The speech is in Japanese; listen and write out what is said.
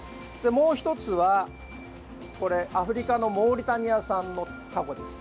もう１つは、アフリカのモーリタニア産のタコです。